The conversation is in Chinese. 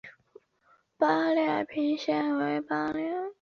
八列平藓为平藓科平藓属下的一个种。